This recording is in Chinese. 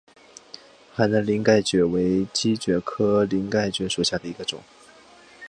海南鳞盖蕨为姬蕨科鳞盖蕨属下的一个种。